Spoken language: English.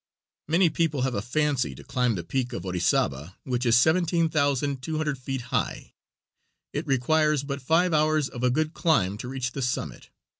Many people have a fancy to climb the peak of Orizaba, which is 17,200 feet high. It requires but five hours of a good climb to reach the summit.